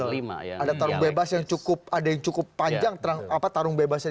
ada yang cukup panjang apa tarung bebasnya di situ kang gung gun